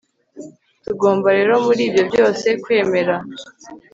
tugomba rero muri ibyo byose kwemera